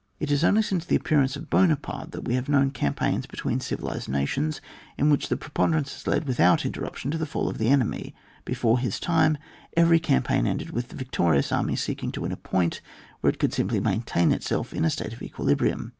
It is only since the appearance of Buona parte that we have known campaigns between civilized nations, in which the preponderance has led, without inter ruption, to the fall of the enemy ; before his time, every campaign ended with the victorious army seeking to win a point where it could simply maintain itself in a state of equilibrium.